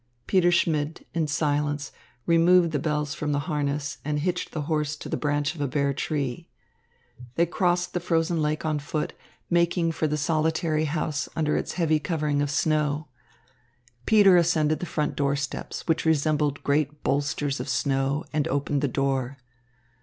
Peter Schmidt, in silence, removed the bells from the harness and hitched the horse to the branch of a bare tree. They crossed the frozen lake on foot, making for the solitary house under its heavy covering of snow. Peter ascended the front door steps, which resembled great bolsters of snow, and opened the door.